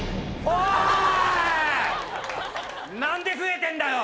何で増えてんだよ？